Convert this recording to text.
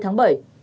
ba mươi tháng bảy